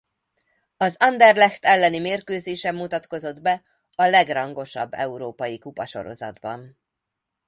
Az Anderlecht elleni mérkőzésen mutatkozott be a legrangosabb európai kupasorozatban.